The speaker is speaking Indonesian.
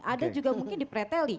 ada juga mungkin di preteli